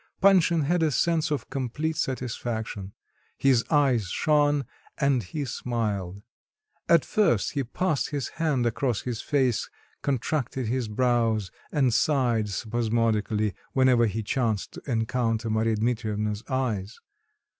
Panshin had a sense of complete satisfaction; his eyes shone, and he smiled. At first he passed his hand across his face, contracted his brows, and sighed spasmodically whenever he chanced to encounter Marya Dmitrievna's eyes.